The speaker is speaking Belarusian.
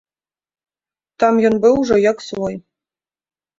Там ён быў ужо як свой.